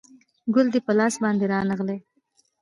ګل دې په لاس باندې رانغلی